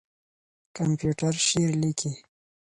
کمپيوټر شعر ليکي.